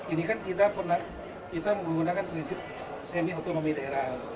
ini kan kita pernah kita menggunakan prinsip semi otonomi daerah